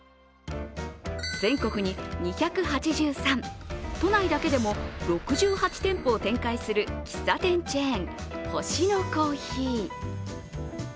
全国に２８３、都内だけでも６８店舗を展開する喫茶店チェーン星乃珈琲。